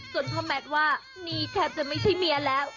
ส่วนพ่อแมทว่านี่แทบจะไม่ใช่เมียแล้ว